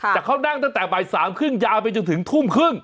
แต่เขานั่งตั้งแต่บ่าย๓๓๐ยาวไปจนถึงทุ่มครึ่ง